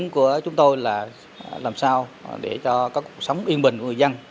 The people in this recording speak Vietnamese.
chúng tôi là làm sao để cho cuộc sống yên bình của người dân